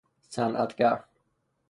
صنعتگر